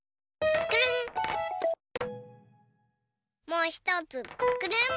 もうひとつくるん！